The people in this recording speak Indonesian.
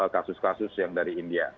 kasus kasus yang dari india